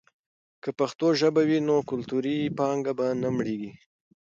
که پښتو ژبه وي، نو کلتوري پانګه به نه مړېږي.